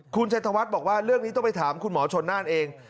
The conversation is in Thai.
คุณชัยธวัฒน์บอกว่าเรื่องนี้ต้องไปถามคุณหมอชนน่านเอง